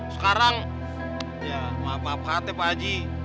sekarang ya mah bapak hati pak haji